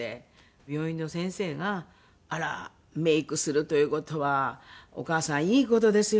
病院の先生が「あら！メイクするという事はお母さんいい事ですよ」って。